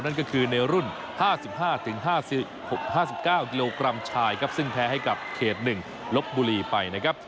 นั่นก็คือในรุ่น๕๕๙กิโลกรัมชายครับซึ่งแพ้ให้กับเขต๑ลบบุรีไปนะครับ